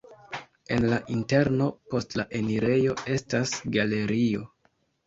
En la interno post la enirejo estas galerio.